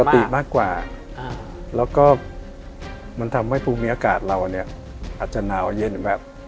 ปกติมากกว่าแล้วก็มันทำให้ภูมิอากาศเราเนี่ยอาจจะหนาวเย็นแบบ